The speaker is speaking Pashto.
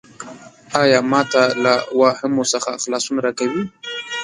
ایا ما ته له واهمو څخه خلاصون راکوې؟